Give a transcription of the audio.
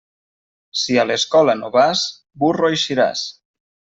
Si a l'escola no vas, burro eixiràs.